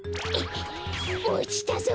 おちたぞ！